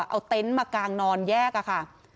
เอาเต็นต์มากางนอนแยกอะค่ะ